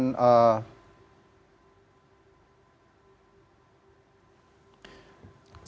saya bertemu dengan